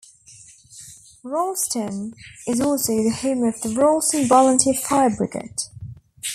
Rolleston is also the home of the Rolleston Volunteer Fire Brigade.